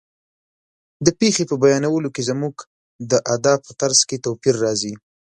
د پېښې په بیانولو کې زموږ د ادا په طرز کې توپیر راځي.